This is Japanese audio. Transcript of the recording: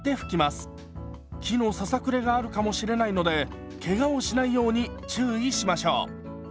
木のささくれがあるかもしれないのでけがをしないように注意しましょう。